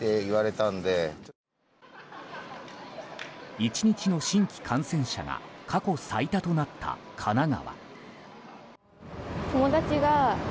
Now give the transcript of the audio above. １日の新規感染者が過去最多となった神奈川。